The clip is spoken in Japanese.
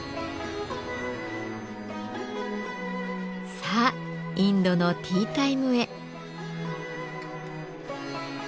さあインドのティータイムへ。